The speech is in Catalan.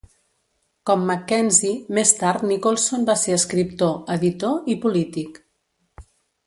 Com MacKenzie, més tard Nicolson va ser escriptor, editor i polític.